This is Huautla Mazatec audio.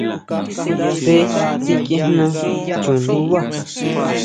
Tsé tsikʼiejna chundubá.